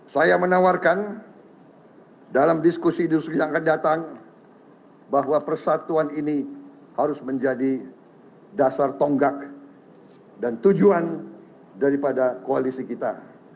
saya menawarkan dalam diskusi diskusi yang akan datang bahwa persatuan ini harus menjadi dasar tonggak dan tujuan daripada koalisi kita